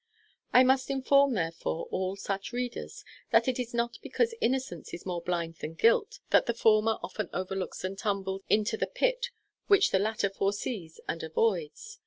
I must inform, therefore, all such readers, that it is not because innocence is more blind than guilt that the former often overlooks and tumbles into the pit which the latter foresees and avoids.